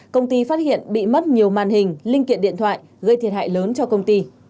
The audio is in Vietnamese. công ty phát hiện bị mất nhiều màn hình linh kiện điện thoại gây thiệt hại lớn cho công ty